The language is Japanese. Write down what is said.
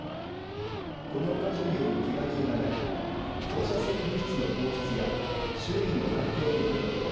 この火事によるけが人はなく放射性物質の放出や周囲の環境への影響。